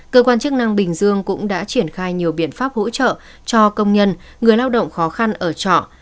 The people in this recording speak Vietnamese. cơ quan chức năng bình dương cũng đã triển khai nhiều biện pháp hỗ trợ cho công nhân người lao động khó khăn ở trọ